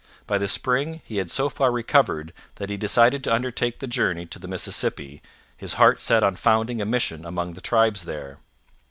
By the spring he had so far recovered that he decided to undertake the journey to the Mississippi, his heart set on founding a mission among the tribes there.